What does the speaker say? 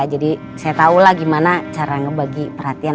jadi saya tahulah gimana cara ngebagi perhatian